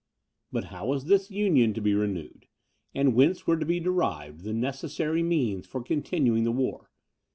But how was this union to be renewed? and whence were to be derived the necessary means for continuing the war?